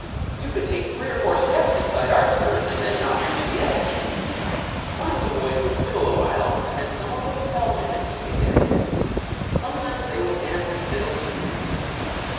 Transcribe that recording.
You could take three or four steps inside our skirts and then not reach the edge. One of the boys would fiddle a while and then some one would spell him and he could get a dance. Sometimes they would dance and fiddle too."